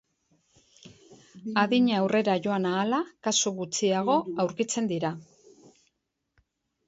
Adina aurrera joan ahala kasu gutxiago aurkitzen dira.